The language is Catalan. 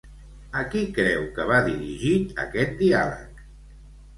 A qui creu que va dirigit aquest diàleg?